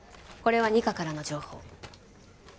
これは二課からの情報